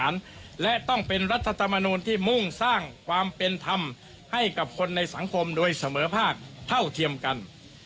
และต้องเป็นรัฐธรรมนูลที่มุ่งสร้างความเป็นธรรมให้กับคนในสังคมโดยเสมอภาคเท่าเทียมกัน